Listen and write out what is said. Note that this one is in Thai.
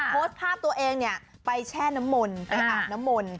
โพสต์ภาพตัวเองเนี่ยไปแช่น้ำมนต์ไปอาบน้ำมนต์